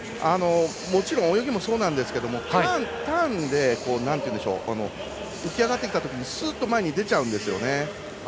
もちろん泳ぎもそうなんですがターンで浮き上がってきたときにすっと前に出ちゃうんですよね。